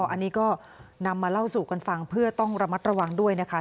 อันนี้ก็นำมาเล่าสู่กันฟังเพื่อต้องระมัดระวังด้วยนะคะ